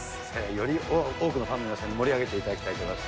より多くのファンの皆さんに盛り上げていただきたいと思います。